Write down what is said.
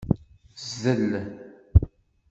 Zdel.